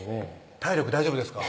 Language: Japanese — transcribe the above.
体力大丈夫ですか？